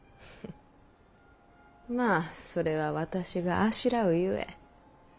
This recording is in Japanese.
まぁそれは私があしらうゆえ。